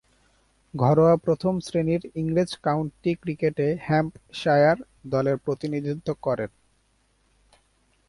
ঘরোয়া প্রথম-শ্রেণীর ইংরেজ কাউন্টি ক্রিকেটে হ্যাম্পশায়ার দলের প্রতিনিধিত্ব করেন।